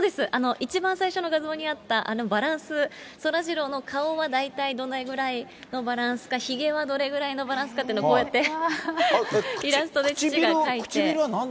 一番最初の画像にあったあのバランス、そらジローの顔は大体どれぐらいのバランスか、ひげはどれぐらいのバランスかっていうのをこうやって、イラストで描いて。